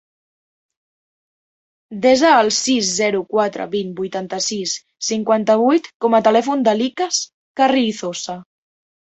Desa el sis, zero, quatre, vint, vuitanta-sis, cinquanta-vuit com a telèfon de l'Ikhlas Carrizosa.